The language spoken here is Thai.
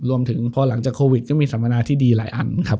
รวมถึงพอหลังจากโควิดก็มีสัมมนาที่ดีหลายอันครับ